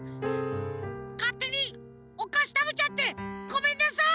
かってにおかしたべちゃってごめんなさい！